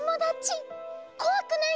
こわくないよ！